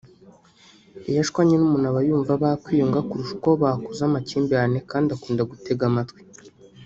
Iyo ashwanye n’umuntu aba yumva bakwiyunga kurusha uko bakuza amakimbirane kandi akunda gutega amatwi